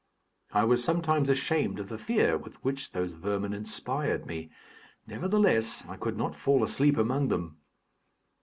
I was sometimes ashamed of the fear with which those vermin inspired me; nevertheless, I could not fall asleep among them.